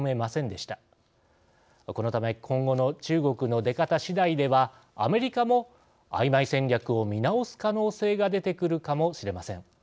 このため今後の中国の出方しだいではアメリカもあいまい戦略を見直す可能性が出てくるかもしれません。